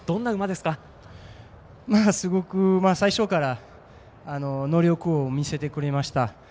すごく最初から能力を見せてくれました。